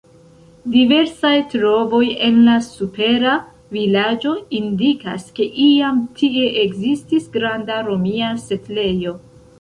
Diversaj trovoj en la supera vilaĝo indikas, ke iam tie ekzistis granda romia setlejo.